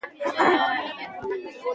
نابلده خلک هغه تیر باسي.